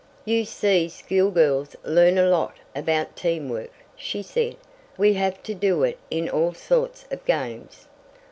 "You see school girls learn a lot about 'team work,'" she said. "We have to do it in all sorts of games."